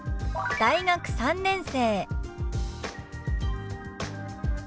「大学３年生」。